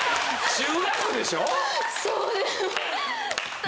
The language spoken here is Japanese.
中学でしょ？